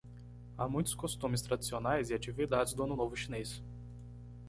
Há muitos costumes tradicionais e atividades do Ano Novo Chinês